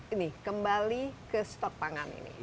ini kembali ke stok pangan ini